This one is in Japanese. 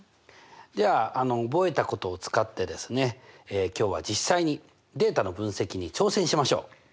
では覚えたことを使ってですね今日は実際にデータの分析に挑戦しましょう！